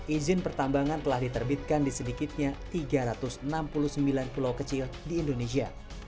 izin pertambangan telah diterbitkan di sedikitnya tiga ratus enam puluh sembilan pulau kecil di indonesia